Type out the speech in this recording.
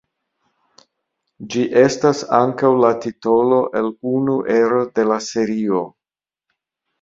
Ĝi estas ankaŭ la titolo el unu ero de la serio.